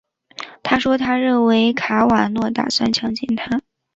她说她认为卡瓦诺打算强奸她。